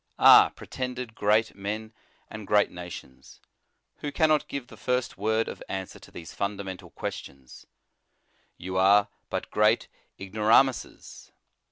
Ah! pretended great men and great na 84 The Sign of the Cross tions, xvho cannot give the first word of answer to these fundamental questions you are but great ignoramuses.